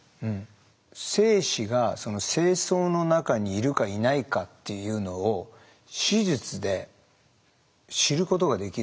精子が精巣の中にいるかいないかっていうのを手術で知ることができる。